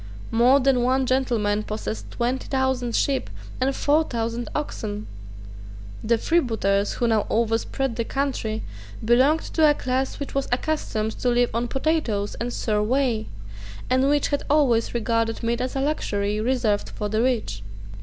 More than one gentleman possessed twenty thousand sheep and four thousand oxen. The freebooters who now overspread the country belonged to a class which was accustomed to live on potatoes and sour whey, and which had always regarded meat as a luxury reserved for the rich.